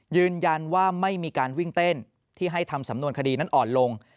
ยืนยันว่าไม่มีการวิ่งเต้นที่ให้ทำสำนวนคดีนั้นอ่อนลง